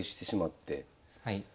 はい。